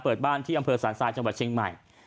เปิดบ้านที่อำเภอสารทรายจังหวัดเชียงใหม่